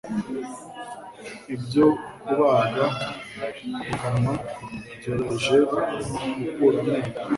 ibyo kubaga mu kanwa byoroheje gukura amenyo